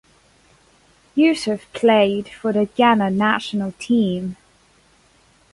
Yusif played for the Ghana national team.